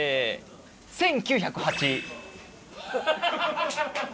１９０８。